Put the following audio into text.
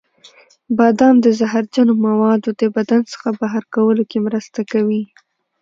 بادام د زهرجنو موادو د بدن څخه بهر کولو کې مرسته کوي.